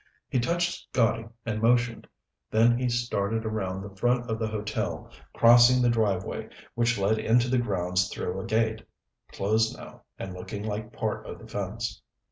He touched Scotty and motioned. Then he started around the front of the hotel, crossing the driveway, which led into the grounds through a gate, closed now and looking like part of the fence.